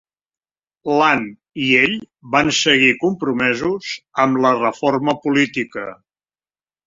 L'Ann i ell van seguir compromesos amb la reforma política.